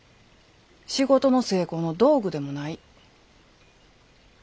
仕事の成功の道具でもない。